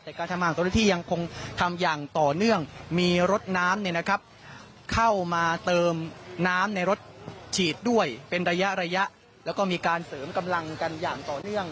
แต่กาธรรมศาลที่ยังคงทำอย่างต่อเนื่องมีรถน้ำเนี่ยนะครับเข้ามาเติมน้ำในรถฉีดด้วยเป็นระยะแล้วก็มีการเสริมกำลังกันอย่างต่อเนื่อง